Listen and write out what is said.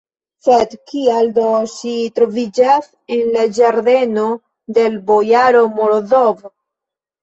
Sed kial do ŝi troviĝas en la ĝardeno de l' bojaro Morozov?